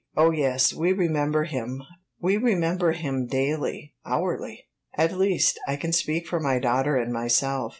"Oh yes, we remember him we remember him daily, hourly. At least, I can speak for my daughter and myself.